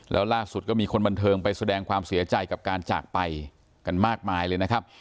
แล้วล่าสุดก็มีคนบันเทิงไปแสดงความเสียใจกับการจากไปกันมากมายเลยนะครับ